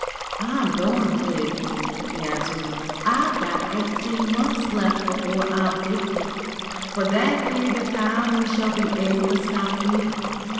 "I'm going to," he answered. "I've got eighteen months yet before I'm fifty. For that period of time we shall be able to stop here.